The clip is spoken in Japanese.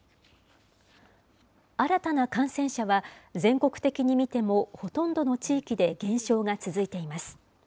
新たな感染者は、全国的に見ても、ほとんどの地域で減少が続いています。